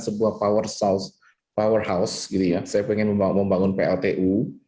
sebuah powerhouse saya ingin membangun pltu